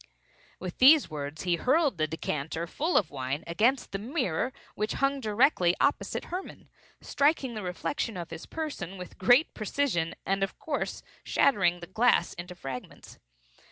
With these words he hurled the decanter, full of wine, against the mirror which hung directly opposite Hermann; striking the reflection of his person with great precision, and of course shattering the glass into fragments.